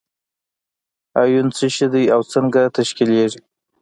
ایون څه شی دی او څنګه تشکیلیږي؟